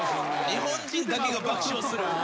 日本人だけが爆笑する。